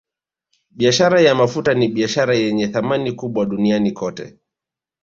Biashara ya mafuta ni biashara yenye thamani kubwa duniani kote